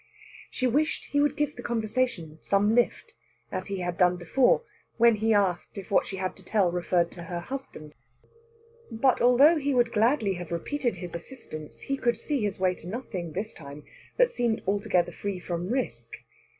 She wished he would give the conversation some lift, as he had done before, when he asked if what she had to tell referred to her husband. But, although he would gladly have repeated his assistance, he could see his way to nothing, this time, that seemed altogether free from risk.